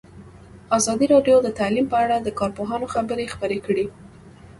ازادي راډیو د تعلیم په اړه د کارپوهانو خبرې خپرې کړي.